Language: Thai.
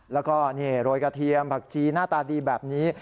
แล้วก็นี่โรยกระเทียมผักชีหน้าตาดีแบบนี้